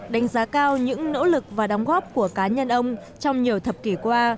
đánh giá cao những nỗ lực và đóng góp của cá nhân ông trong nhiều thập kỷ qua